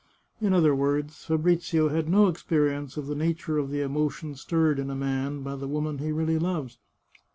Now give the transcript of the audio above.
In other words, Fabrizio had no experience of the nature of the emotion stirred in a man by the woman he really loves.